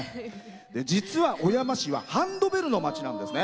実は小山市はハンドベルの町なんですね。